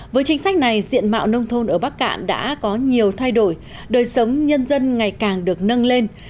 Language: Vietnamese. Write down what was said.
với chính sách này diện mạo nông thôn ở bắc cạn đã có nhiều thay đổi đời sống nhân dân ngày càng được nâng lên